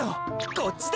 こっちだ。